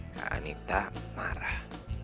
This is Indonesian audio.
kak nita marah